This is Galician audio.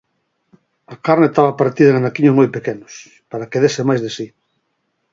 A carne estaba partida en anaquiños moi pequenos, para que dese máis de si.